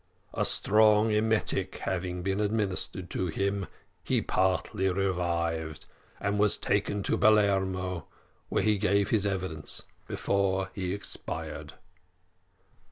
A strong emetic having been administered to him, he partially revived, and was taken to Palermo, where he gave his evidence before he expired.